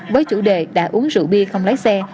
với chủ đề đã uống rượu bia không bị thương